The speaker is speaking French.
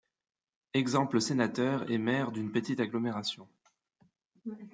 Exemple sénateur et maire d'une petite agglomération.